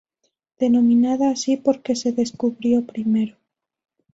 Denominada así porque se descubrió primero.